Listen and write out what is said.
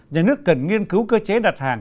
nhà nước cần nghiên cứu cơ chế đặt hàng